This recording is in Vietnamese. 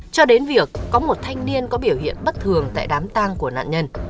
cho đến việc có một thanh niên có biểu hiện bất thường tại đám tang của nạn nhân